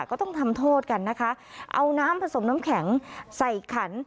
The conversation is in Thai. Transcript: ก็ต้องทำโทษกันนะคะเอาน้ำผสมน้ำแข็งใส่ขัน